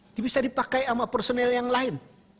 ini bisa dipakai sama personil yang lain